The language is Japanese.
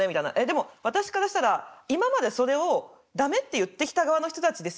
でも私からしたら「今までそれを駄目って言ってきた側の人たちですよね」。